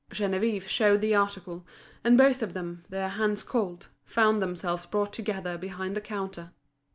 Geneviève showed the article; and both of them, their hands cold, found themselves brought together behind the counter.